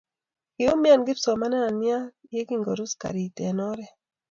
Kiumian kipsomanian ye kingorus karit eng oree.